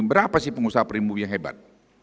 berapa sih pengusaha perimbu yang hebat